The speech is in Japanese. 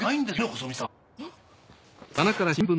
細見さん！